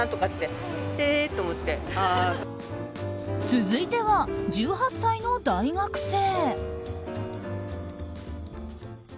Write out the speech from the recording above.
続いては、１８歳の大学生。